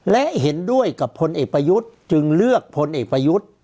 และเห็นด้วยกับพลเอกประยุทธ์จึงเลือกพลเอกประยุทธ์